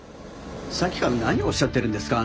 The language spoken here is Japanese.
さっきから何をおっしゃってるんですか